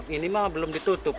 ini mah belum ditutup